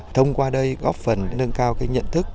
thông qua đây góp phần nâng cao nhận thức